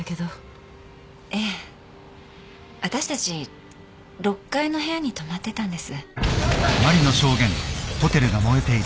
ええわたしたち６階の部屋に泊まってたんです。